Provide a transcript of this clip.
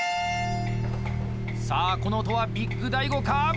さあこの音はビッグ大悟か！？